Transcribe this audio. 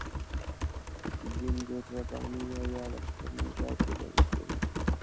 جنودالربانیه یا لشکر نجات یې بلل کېدل.